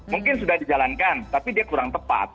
mungkin sudah dijalankan tapi dia kurang tepat